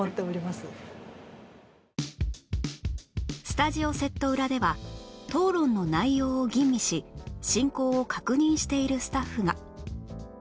スタジオセット裏では討論の内容を吟味し進行を確認しているスタッフが